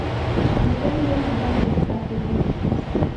Mi ɗon bee madame dofta feere.